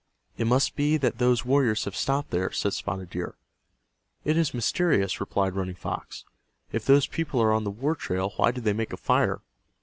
"It must be that those warriors have stopped there," said Spotted Deer. "It is mysterious," replied Running Fox. "If those people are on the war trail why do they make a fire?"